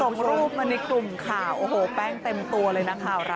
ส่งรูปมาในกลุ่มข่าวโอ้โหแต้งเต็มตัวเลยนักข่าวเรา